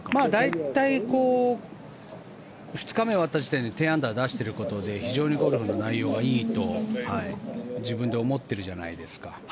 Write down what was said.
大体２日目終わった時点で１０アンダー出していることで非常にゴルフの内容がいいと自分で思ってるじゃないですか。